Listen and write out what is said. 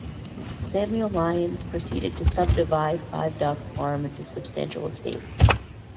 Samuel Lyons proceeded to subdivide Five Dock Farm into substantial estates.